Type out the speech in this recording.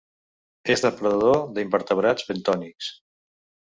És depredador d'invertebrats bentònics.